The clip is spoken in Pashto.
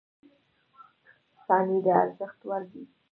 • ثانیې د ارزښت وړ دي.